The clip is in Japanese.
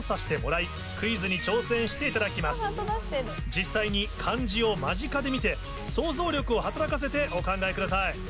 実際に漢字を間近で見て想像力を働かせてお考えください。